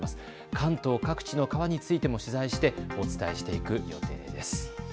関東各地の川についても取材してお伝えしていきます。